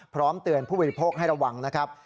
พร้อมเตือนผู้บริโภคให้ระวังนะครับ